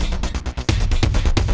masa pernah kenyamanku